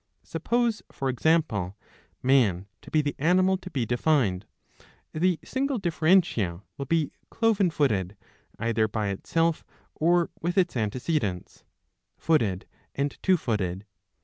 Suppose, for example, Man to be the animal to be defined ; the single differentia will be Cloven footed, either by itself or with its antecedents, Footed and Two footed.